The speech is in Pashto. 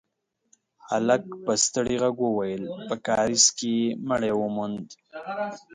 هلک په ستړي غږ وويل: په کارېز کې يې مړی وموند.